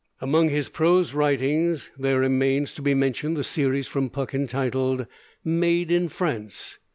Among his prose writings there remains to be mentioned the series from Puck entitled 'Made in France.'